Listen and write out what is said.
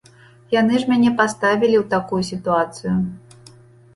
Яны ж мяне паставілі ў такую сітуацыю.